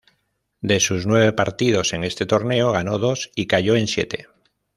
De sus nueve partidos en este torneo, ganó dos y cayó en siete.